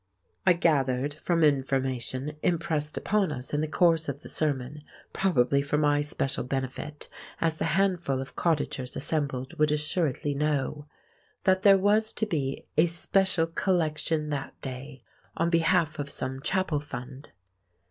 I gathered from information impressed upon us in the course of the sermon (probably for my special benefit, as the handful of cottagers assembled would assuredly know) that there was to be a special collection that day on behalf of some chapel fund.